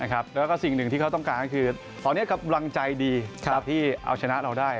แล้วก็สิ่งหนึ่งที่เขาต้องการก็คือตอนนี้กำลังใจดีที่เอาชนะเราได้